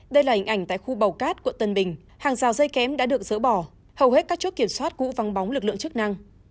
đây là hình ảnh tại khu bào cát quận tân bình hàng rào dây kém đã được dỡ bỏ hầu hết các chốt kiểm soát cũ văng bóng lực lượng chức năng